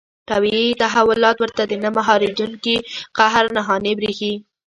طبیعي تحولات ورته د نه مهارېدونکي قهر نښانې برېښي.